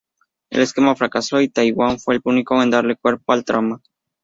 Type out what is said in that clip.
El esquema fracasó y Twain fue el único en darle cuerpo a la trama.